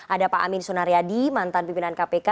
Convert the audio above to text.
ada pak amin sunaryadi mantan pimpinan kpk